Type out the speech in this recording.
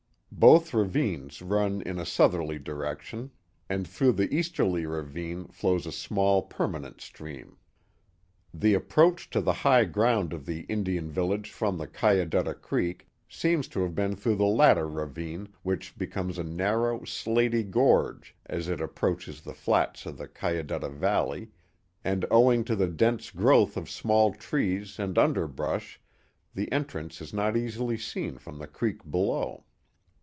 Both ravines run in a southerly lo The Mohawk Valley direction and through the easterly ravine flows a small perma* nent stream. The approach to the high ground of the Indian village from the Cayudutta Creek seems to have been through the latter ravine, which becomes a narrow, slaty gorge as it approaches the flats of the Cayudutta Valley, and owing to the dense growth of small trees and underbrush the entrance is not easily seen from the creek below.